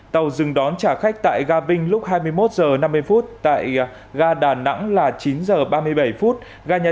hai tàu dừng đón trả khách tại gà vinh lúc hai mươi một giờ năm mươi phút tại gà đà nẵng là chín giờ ba mươi bảy phút gà nha